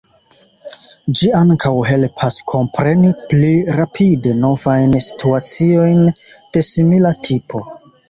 Ĝi ankaŭ helpas kompreni pli rapide novajn situaciojn de simila tipo.